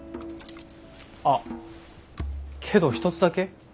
あっけど一つだけ。